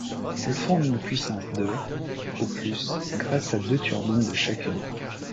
Elle fournit une puissance de au plus grâce à deux turbines de chacune.